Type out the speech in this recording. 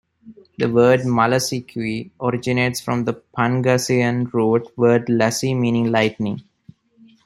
The word Malasiqui originates from the Pangasinan root word "lasi" meaning lightning.